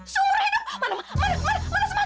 seumur hidup mana mana mana semangkanya lihat lihat lihat